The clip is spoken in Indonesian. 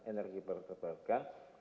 energi baru terbarukan